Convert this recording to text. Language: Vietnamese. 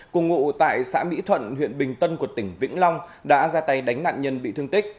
cùng ngụ tại xã mỹ thuận huyện bình tân của tỉnh vĩnh long đã ra tay đánh nạn nhân bị thương tích